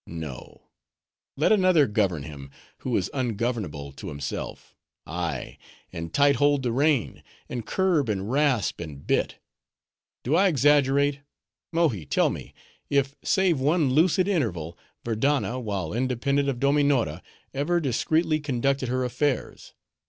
No; let another govern him, who is ungovernable to himself Ay, and tight hold the rein; and curb, and rasp the bit. Do I exaggerate?—Mohi, tell me, if, save one lucid interval, Verdanna, while independent of Dominora, ever discreetly conducted her affairs?